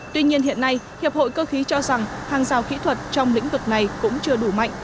tuy nhiên hiện nay hiệp hội cơ khí cho rằng hàng rào kỹ thuật trong lĩnh vực này cũng chưa đủ mạnh